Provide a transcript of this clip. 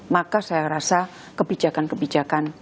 maka saya rasa kebijakan kebijakan